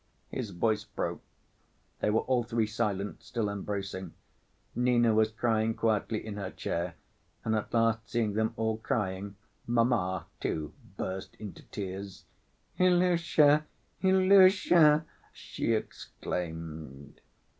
His voice broke. They were all three silent, still embracing. Nina was crying quietly in her chair, and at last seeing them all crying, "mamma," too, burst into tears. "Ilusha! Ilusha!" she exclaimed.